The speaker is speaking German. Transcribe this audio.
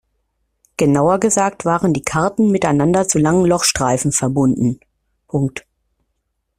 Genauer gesagt waren die Karten miteinander zu langen Lochstreifen verbunden.